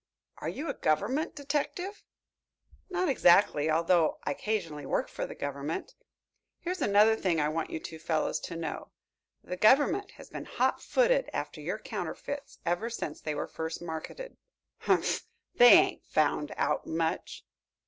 "Are you a government detective?" "Not exactly, although I occasionally work for the government. Here is another thing I want you two fellows to know. The government has been hot footed after your counterfeits ever since they were first marketed." "Humph, they ain't found out much."